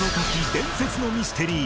伝説のミステリー』